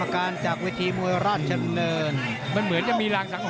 แก่แขม่อยู่ต่างความให้สำคัญ